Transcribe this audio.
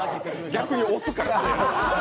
逆に押すから。